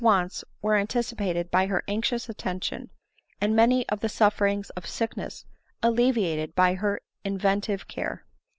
171 wants were anticipated by her anxious attention, and many of the sufferings of sickness alleviated by her invent ive care.